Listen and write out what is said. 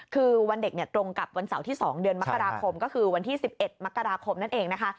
คือวันเด็กตรงกับวันเสาร์ที่๒เดือนมกราคมก็คือวันที่๑๑มกราคมนั่นเองนะคะ